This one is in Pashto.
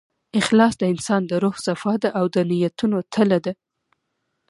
اخلاص د انسان د روح صفا ده، او د نیتونو تله ده.